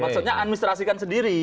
maksudnya administrasikan sendiri